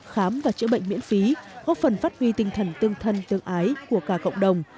khám và chữa bệnh miễn phí góp phần phát huy tinh thần tương thân tương ái của cả cộng đồng